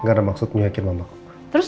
gak ada maksud nyuyakin mamaku